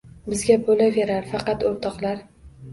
Bizga bo’laverar Faqat, o’rtoqlar